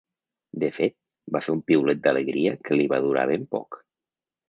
De fet, va fer un piulet d’alegria que li va durar ben poc.